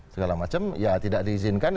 segala macam ya tidak diizinkan